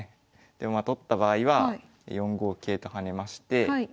でまあ取った場合は４五桂と跳ねまして。